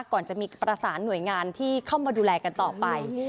ก่อนจะมีประสานหน่วยงานที่เข้ามาดูแลกันต่อไป